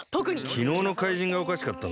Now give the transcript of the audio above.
きのうのかいじんがおかしかったんだな。